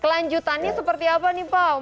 kelanjutannya seperti apa nih pak